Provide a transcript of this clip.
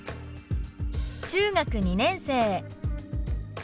「中学２年生」。